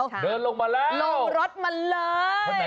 เดินลงมาแล้วลงรถมาเลย